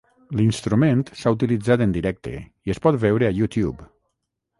L'instrument s'ha utilitzat en directe i es pot veure a YouTube.